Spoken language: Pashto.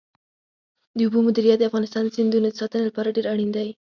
د اوبو مدیریت د افغانستان د سیندونو د ساتنې لپاره ډېر اړین دی.